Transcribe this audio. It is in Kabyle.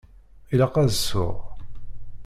Ilaq ad d-ssuɣ.